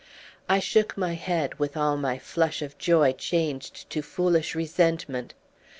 I shook my head, with all my flush of joy changed to foolish resentment.